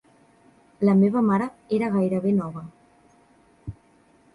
La meva mare era gairebé nova.